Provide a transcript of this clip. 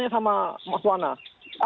apakah erik thohir sebagai pemerintah bumn bisa